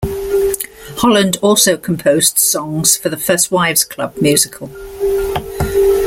Holland also composed songs for the "First Wives Club" musical.